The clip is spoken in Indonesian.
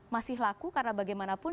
masih laku karena bagaimanapun